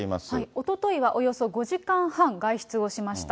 おとといはおよそ５時間半、外出をしました。